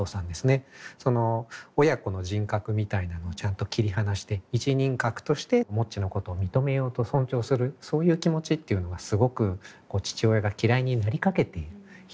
その親子の人格みたいなのをちゃんと切り離して一人格としてもっちのことを認めようと尊重するそういう気持ちっていうのはすごく父親が嫌いになりかけている人とかにも響くんじゃないかと思うし。